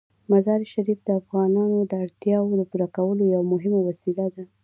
مزارشریف د افغانانو د اړتیاوو د پوره کولو یوه مهمه وسیله ده.